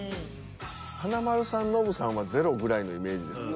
華丸さんノブさんはゼロぐらいのイメージですよね。